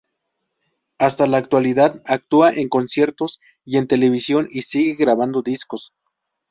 Hasta la actualidad, actúa en conciertos y en televisión y sigue grabando discos.